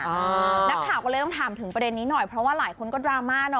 นักข่าวก็เลยต้องถามถึงประเด็นนี้หน่อยเพราะว่าหลายคนก็ดราม่าเนาะ